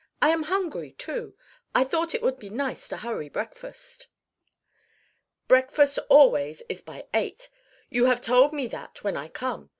I am hungry, too. I thought it would be nice to hurry breakfast." "Breakfast always is by eight. You have told me that when I come.